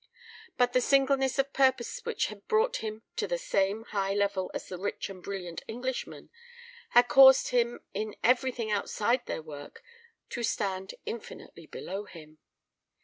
But the singleness of purpose which had brought him to the same high level as the rich and brilliant Englishman, had caused him in everything outside their work to stand infinitely below him.